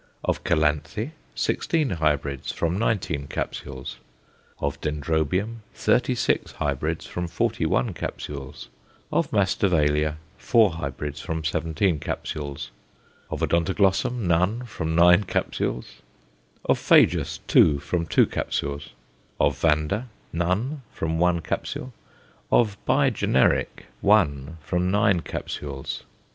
Of Calanthe, sixteen hybrids from nineteen capsules; of Dendrobium, thirty six hybrids from forty one capsules; of Masdevallia, four hybrids from seventeen capsules; of Odontoglossum, none from nine capsules; of Phajus, two from two capsules; of Vanda, none from one capsule; of bi generic, one from nine capsules.